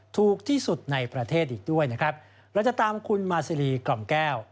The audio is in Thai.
ถูกที่สุดในประเทศอีกด้วยนะครับเราจะตามคุณมาซีรีกล่อมแก้ว